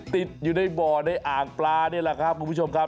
ติดอยู่ในบ่อในอ่างปลานี่แหละครับ